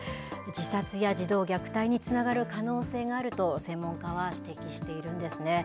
自殺や児童虐待につながる可能性があると専門家は指摘しているんですね。